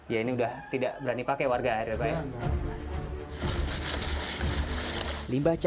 ya ini udah tidak berani pakai warga air pak